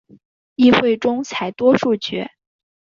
议会中采多数决。